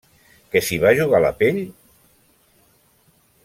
Que s’hi va jugar la pell?